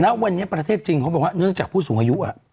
ณวันนี้ประเทศจีนเขาบอกว่าเนื่องจากผู้สูงอายุ